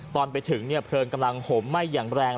ตอนไปถึงเพลิงกำลังห่มไหม้อย่างแรง